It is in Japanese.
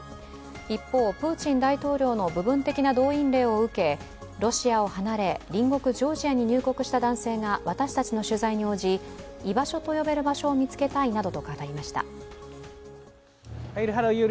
一方、プーチン大統領の部分的な動員令を受け、ロシアを離れ、隣国ジョージアに入国した男性が私たちの取材に応じ居場所と呼べる場所を見つけたいなどと語りました。